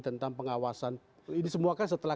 tentang pengawasan ini semua kan setelah